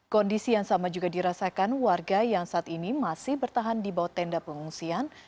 kondisi yang sama juga dirasakan warga yang saat ini masih bertahan di bawah tenda pengungsian